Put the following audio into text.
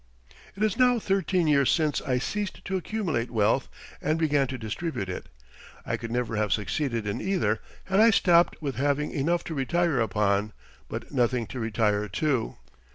It is now thirteen years since I ceased to accumulate wealth and began to distribute it. I could never have succeeded in either had I stopped with having enough to retire upon, but nothing to retire to.